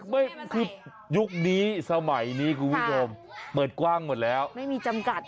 ไม่คือยุคนี้สมัยนี้คุณผู้ชมเปิดกว้างหมดแล้วไม่มีจำกัด